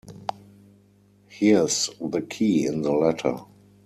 Here's the key in the letter.